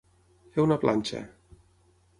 Fer una planxa.